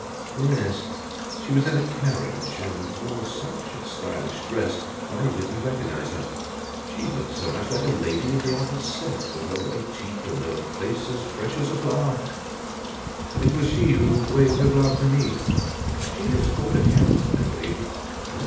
"Yes, she was in a carriage, and wore such a stylish dress! I didn't recognise her, she looked so much like a lady of the upper set, with her white teeth and her face as fresh as a flower. It was she who waved her glove to me. She has caught a count, I believe.